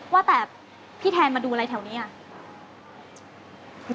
ว่าแต่พี่แทนมาดูอะไรแถวนี้อ่ะ